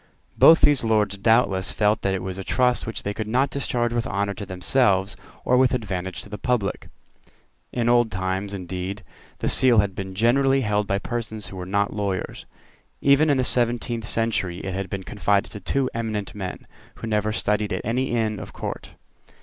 Both these Lords doubtless felt that it was a trust which they could not discharge with honour to themselves or with advantage to the public. In old times, indeed, the Seal had been generally held by persons who were not lawyers. Even in the seventeenth century it had been confided to two eminent men, who had never studied at any Inn of Court.